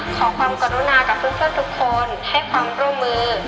ขอความกรุณากับเพื่อนทุกคนให้ความร่วมมือ